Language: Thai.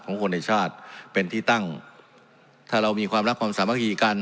ของคนในชาติเป็นที่ตั้งถ้าเรามีความรักความสามัคคีกัน